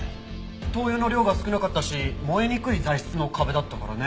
灯油の量が少なかったし燃えにくい材質の壁だったからね。